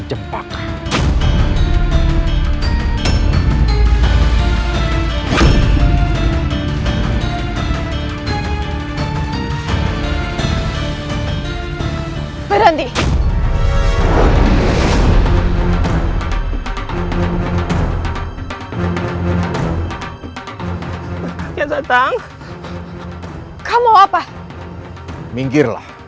langkahin dulu mayatku